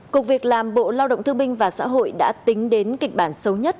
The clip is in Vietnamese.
cục việc làm bộ lao động thương binh và xã hội đã tính đến kịch bản xấu nhất